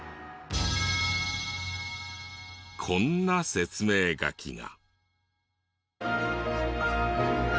こんな説明書きが。